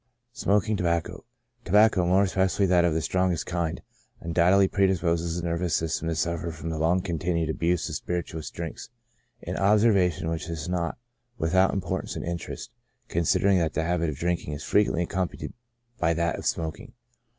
Smoking Tobacco. — Tobacco, and more especially that of the strongest kind, undoubtedly predisposes the nervous system to suffer from the long continued abuse of spiritu ous drinks, an observation which is not without importance and interest, considering that the habit of drinking is fre quently accompanied by that of smoking.